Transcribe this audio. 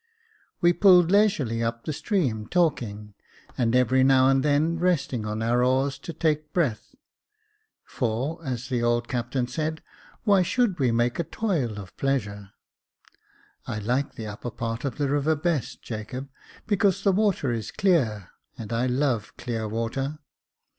We pulled leisurely up the stream, talking, and every now and then resting on our oars, to take breath ; for, as the old captain said, "Why should we make a toil of pleasure ? I like the upper part of the river best, Jacob, because the water is clear, and I love clear water.